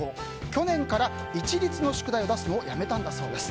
去年から一律の宿題を出すのをやめたんだそうです。